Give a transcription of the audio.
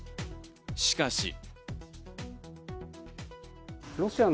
しかし。